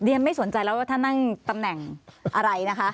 เรียนไม่สนใจแล้วท่านนั่งตำแหน่งอะไร